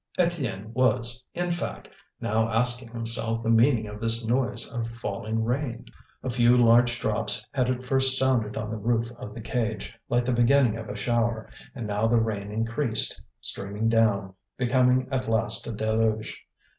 Étienne was, in fact, now asking himself the meaning of this noise of falling rain. A few large drops had at first sounded on the roof of the cage, like the beginning of a shower, and now the rain increased, streaming down, becoming at last a deluge.